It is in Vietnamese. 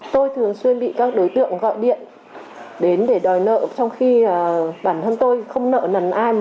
tôi thường xuyên bị các đối tượng gọi điện đến để đòi nợ trong khi bản thân tôi không nợ nần ai